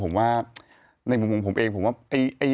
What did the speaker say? ผมว่าในมุมของผมเองผมว่า